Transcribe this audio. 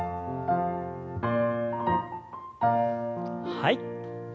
はい。